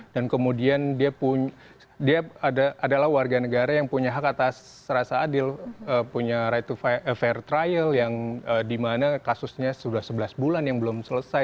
dan kemudian dia punya dia adalah warga negara yang punya hak atas rasa adil punya right to fair trial yang dimana kasusnya sudah sebelas bulan yang belum selesai